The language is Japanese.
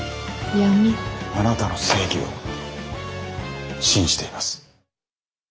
あなたの正義を信じています。